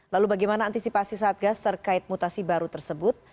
lalu bagaimana antisipasi satgas terkait mutasi baru tersebut